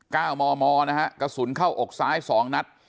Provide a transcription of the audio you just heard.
เก้ามอมอนะฮะกระสุนเข้าอกซ้ายสองนัด